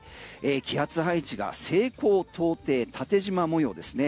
気圧配置が西高東低、縦じま模様ですね。